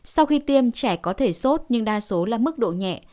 sau khi tiêm trẻ có thể sốt nhưng đa số là mức độ nhẹ